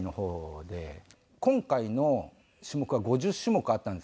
今回の種目は５０種目あったんですけど。